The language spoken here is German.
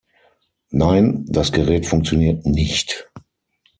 Nein, das Gerät funktioniert nicht!.